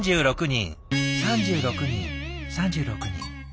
３６人３６人。